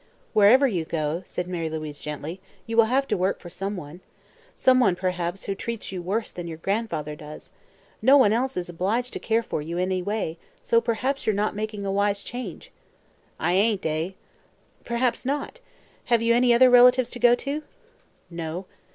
"Wherever you go," said Mary Louise gently, "you will have to work for someone. Someone, perhaps, who treats you worse than your grandfather does. No one else is obliged to care for you in any way, so perhaps you're not making a wise change." "I ain't, eh?" "Perhaps not. Have you any other relatives to go to?" "No."